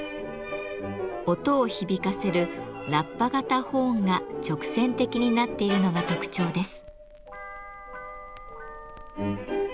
音を響かせるラッパ型ホーンが直線的になっているのが特徴です。